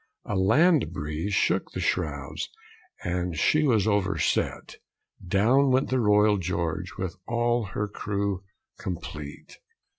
A land breeze shook the shrouds, And she was overset; Down went the Royal George, With all her crew complete.